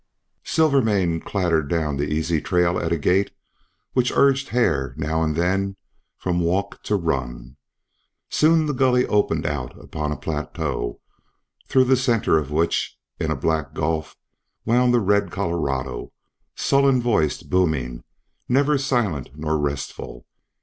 Silvermane clattered down the easy trail at a gait which urged Hare now and then from walk to run. Soon the gully opened out upon a plateau through the centre of which, in a black gulf, wound the red Colorado, sullen voiced, booming, never silent nor restful.